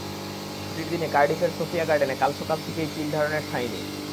ছুটির দিন, কার্ডিফের সোফিয়া গার্ডেনে কাল সকাল থেকেই তিল ধারণের ঠাঁই নেই।